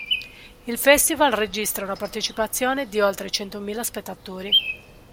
Il festival registra una partecipazione di oltre centomila spettatori.